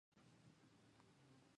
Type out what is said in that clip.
دوی سفارتونه او کونسلګرۍ لري.